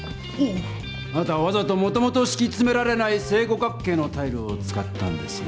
あなたはわざともともとしきつめられない正五角形のタイルを使ったんですね。